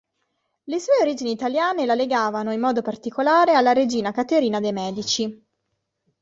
Le sue origini italiane la legavano in modo particolare alla regina Caterina de' Medici.